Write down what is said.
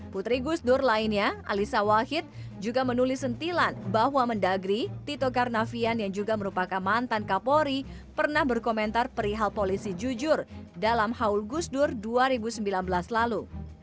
putri gusdur lainnya alisa wahid juga menulis sentilan bahwa mendagri tito karnavian yang juga merupakan mantan kapolri pernah berkomentar perihal polisi jujur dalam haul gusdur dua ribu sembilan belas lalu